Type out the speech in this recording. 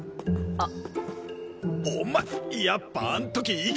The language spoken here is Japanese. あっ。